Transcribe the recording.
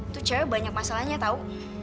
tuh cewek banyak masalahnya tahu